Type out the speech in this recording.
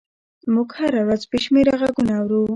موږ هره ورځ بې شمېره غږونه اورو.